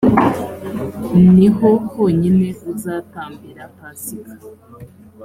ni ho honyine uzatambira pasika,